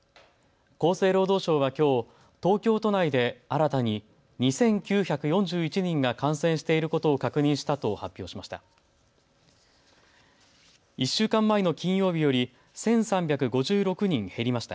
厚生労働省はきょう東京都内で新たに２９４１人が感染していることを確認したと発表しました。